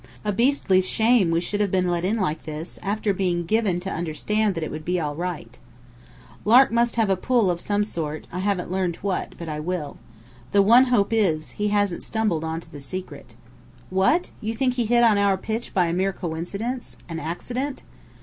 A beastly shame we should have been let in like this, after being given to understand that it would be all right." "Lark must have had a pull of some sort, I haven't learned what; but I will. The one hope is, that he hasn't stumbled onto the secret." "What! You think he hit on our pitch by a mere coincidence an accident?"